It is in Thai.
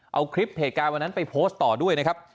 เอาคลิปเหตุการณ์วันนั้นไปโพสต์ต่อด้วยนะครับ